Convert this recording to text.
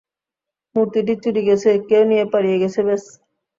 মূর্তিটি চুরি গেছে, কেউ নিয়ে পালিয়ে গেছে, ব্যস।